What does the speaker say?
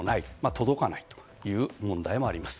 届かないという問題もあります。